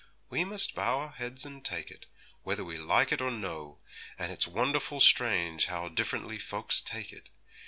'We must bow our heads and take it, whether we like it or no; and it's wonderful strange how differently folks take it!